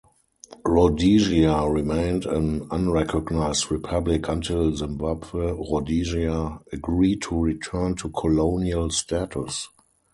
Rhodesia remained an unrecognised republic until Zimbabwe Rhodesia agreed to return to colonial status.